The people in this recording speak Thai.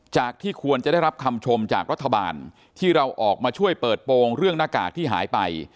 ที่ควรจะได้รับคำชมจากรัฐบาลที่เราออกมาช่วยเปิดโปรงเรื่องหน้ากากที่หายไป